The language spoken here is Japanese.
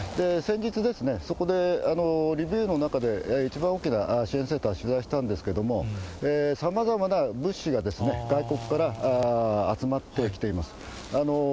先日ですね、リビウの中で一番大きな支援センターを取材したんですけれども、さまざまな物資が外国から集まってきています。